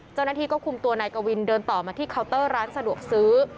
เจ้าหน้าที่ก็คุมตัวนายกวินเดินต่อมาที่เคาน์เตอร์ร้านสะดวกซื้อ